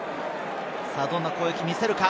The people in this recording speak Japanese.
どんな攻撃を見せるか？